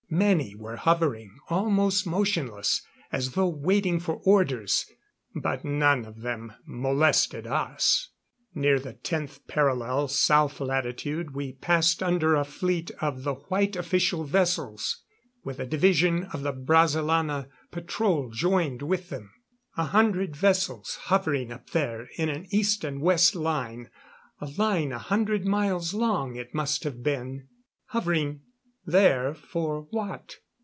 Many were hovering, almost motionless, as though waiting for orders. But none of them molested us. Near the 10th parallel South latitude, we passed under a fleet of the white official vessels, with a division of the Brazilana patrol joined with them. A hundred vessels hovering up there in an east and west line a line a hundred miles long it must have been. Hovering there, for what?